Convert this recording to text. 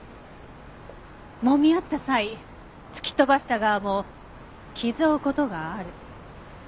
もみ合った際突き飛ばした側も傷を負う事がある。